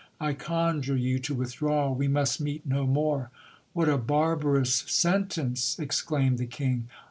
I conjure you to withdraw : we must meet no more. What a barbarous sen u:e ! exclaimed the king.